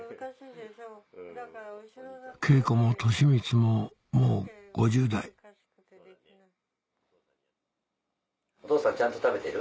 敬子も俊光ももう５０代お父さんちゃんと食べてる？